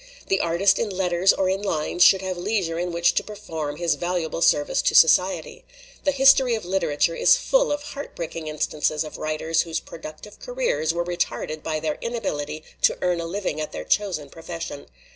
The artist in letters or in lines should have leisure in which to perform his valuable service to society. The his tory of literature is full of heartbreaking instances of writers whose productive careers were retarded by their inability to earn a living at their chosen profession.